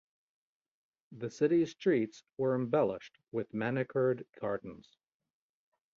The city's streets are embellished with manicured gardens.